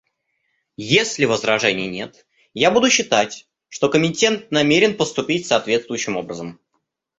Если возражений нет, я буду считать, что Комитет намерен поступить соответствующим образом.